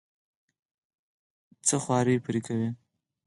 څه خواري پرې کوې.